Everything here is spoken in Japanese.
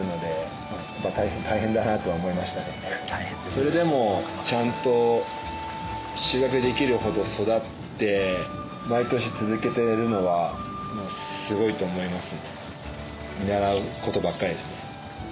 それでもちゃんと収穫できるほど育って毎年続けてるのはすごいと思います。